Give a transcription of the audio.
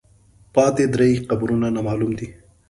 پاتې درې قبرونه نامعلوم دي.